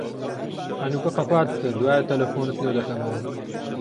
هەنووکە قەپات بکە، دوایێ تەلەفۆنت لۆ دەکەمەوە.